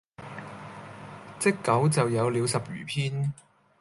積久就有了十餘篇。